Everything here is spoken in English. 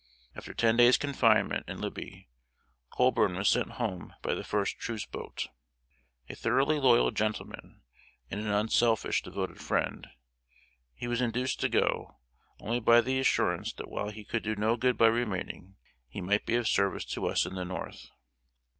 After ten days' confinement in Libby, Colburn was sent home by the first truce boat. A thoroughly loyal gentleman, and an unselfish, devoted friend, he was induced to go, only by the assurance that while he could do no good by remaining, he might be of service to us in the North.